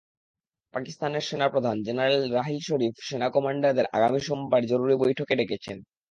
পাকিস্তানের সেনাপ্রধান জেনারেল রাহিল শরিফ সেনা কমান্ডারদের আগামীকাল সোমবার জরুরি বৈঠকে ডেকেছেন।